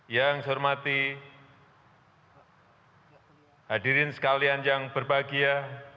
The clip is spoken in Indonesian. yang saya hormati hadirin sekalian yang berbahagia